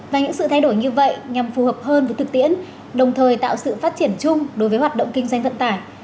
và những sự thay đổi như vậy nhằm phù hợp hơn với thực tiễn đồng thời tạo sự phát triển chung đối với hoạt động kinh doanh vận tải